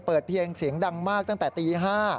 เปิดเพียงเสียงดังมากตั้งแต่อาทิตย์๕